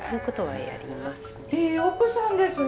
いい奥さんですね！